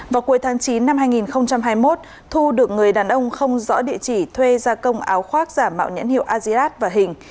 vào cuối tháng chín năm hai nghìn hai mươi một thu được người đàn ông không rõ địa chỉ thuê gia công áo khoác giả mạo nhãn hiệu azild và hình